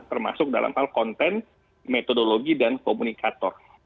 termasuk dalam hal konten metodologi dan komunikator